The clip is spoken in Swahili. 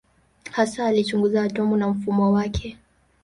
Hasa alichunguza atomu na mfumo wake.